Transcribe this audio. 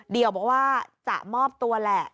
เดียวบอกว่าจะมอบตัวแหละ